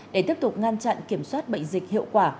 để tiếp tục ngăn chặn kiểm soát bệnh dịch hiệu quả